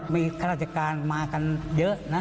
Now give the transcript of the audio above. มีฆาติการมากันเยอะนะ